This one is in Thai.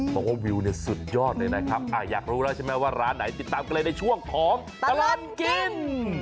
บอกว่าวิวเนี่ยสุดยอดเลยนะครับอยากรู้แล้วใช่ไหมว่าร้านไหนติดตามกันเลยในช่วงของตลอดกิน